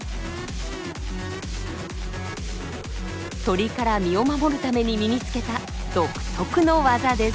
鳥から身を守るために身につけた独特の技です。